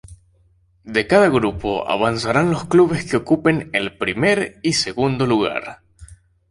De cada grupo avanzarán los clubes que ocupen el primer y segundo lugar.